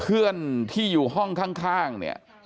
เพื่อนที่อยู่ห้องข้างเนี่ย